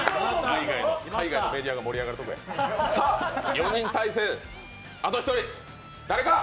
４人対戦、あと１人、誰か！